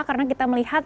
karena kita melihat